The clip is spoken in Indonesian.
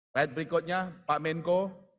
ride berikutnya pak menko